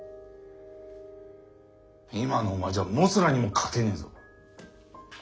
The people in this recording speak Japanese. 今のお前じゃモスラにも勝てねえぞ。